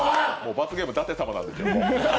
罰ゲーム舘様なんですよ。